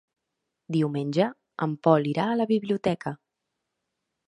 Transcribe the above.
Diumenge en Pol irà a la biblioteca.